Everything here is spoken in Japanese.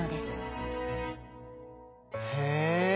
へえ。